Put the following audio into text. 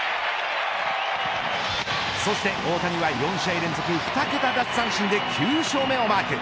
そして大谷は４試合連続２桁奪三振で９勝目をマーク。